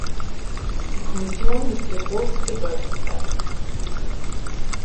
Die Kommission misst ihr große Bedeutung bei.